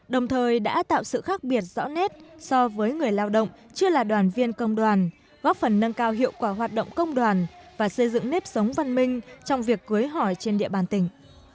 đồng thời đã tạo sự khác biệt rõ nét so với người lao động chưa là đoàn viên công đoàn góp phần nâng cao hiệu quả hoạt động công đoàn và xây dựng nếp sống văn minh trong việc cưới hỏi trên địa bàn tỉnh